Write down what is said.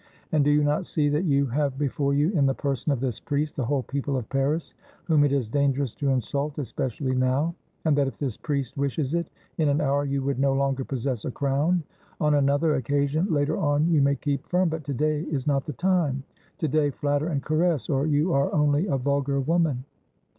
And do you not see that you have before you in the person of this priest the whole people of Paris, whom it is dangerous to insult, especially now ; and that if this priest wishes it, in an hour you would no longer possess a crown? On another occasion, later on, you may keep firm, but to day is not the time; to day flatter and caress, or you are only a vulgar woman."